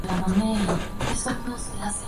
Su sabor es salado y un poco a pimienta.